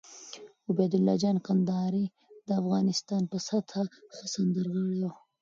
عبیدالله جان کندهاری د افغانستان په سطحه ښه سندرغاړی وو